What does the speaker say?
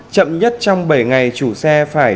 chậm nhất trong bảy ngày chủ xe phải